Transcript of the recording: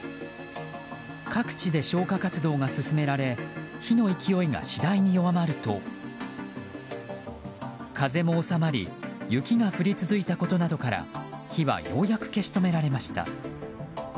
各地で消火活動が進められ火の勢いが次第に弱まると風も収まり雪が降り続いたことなどから火はようやく消し止められました。